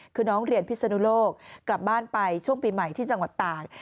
คือน้องเรียนพิศนุโลกกลับบ้านไปช่วงปีใหม่ที่จังหวัดตาก